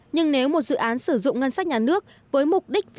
nhưng nếu một dự án sử dụng ngân sách nhà nước với mục đích